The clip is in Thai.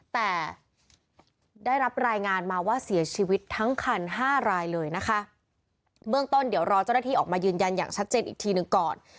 แต่ได้รับรายงานมาว่าเสียชีวิตทั้งคันห้ารายเลยนะคะเบื้องต้นเดี๋ยวรอเจ้าหน้าที่ออกมายืนยันอย่างชัดเจนอีกทีหนึ่งก่อน